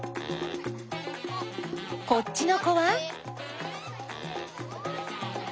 こっちの子は？